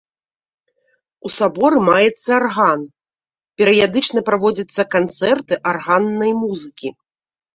У саборы маецца арган, перыядычна праводзяцца канцэрты арганнай музыкі.